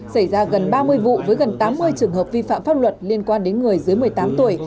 xảy ra gần ba mươi vụ với gần tám mươi trường hợp vi phạm pháp luật liên quan đến người dưới một mươi tám tuổi